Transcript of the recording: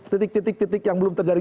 titik titik yang belum terjadi